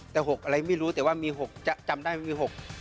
แต่หกอะไรไม่รู้แต่ว่ามีหกจำได้มีหก